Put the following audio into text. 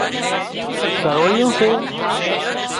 گروۯيئيون سي